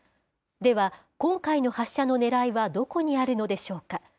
では、今回の発射のねらいはどこにあるのでしょうか。